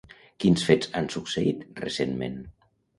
Quins fets han succeït recentment?